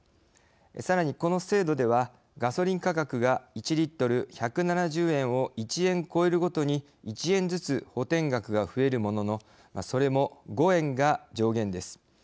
さらにこの制度ではガソリン価格が１リットル１７０円を１円超えるごとに１円ずつ補てん額が増えるもののそれも５円が上限です。